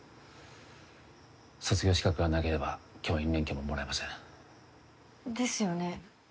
卒業資格がなければ教員免許ももらえません。ですよね。